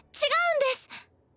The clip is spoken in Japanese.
違うんです。